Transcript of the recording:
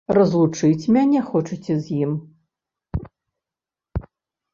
Разлучыць мяне хочаце з ім?